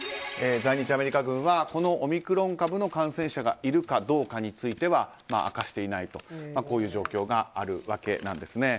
在日アメリカ軍はオミクロン株の感染者がいるかどうかについては明かしていないという状況です。